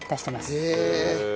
へえ。